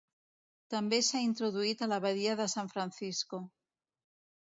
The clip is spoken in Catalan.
També s'ha introduït a la badia de San Francisco.